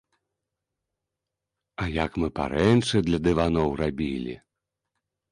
А як мы парэнчы для дываноў рабілі.